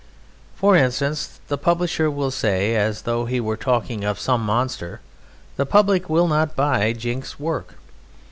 For instance, the publisher will say, as though he were talking of some monster, "The Public will not buy Jinks's work.